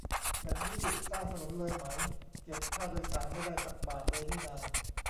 แบบนี้หยุดสร้างถนนเลยไหม เก็บค่าโดยสารไม่ได้สักบาทเลยนี่นา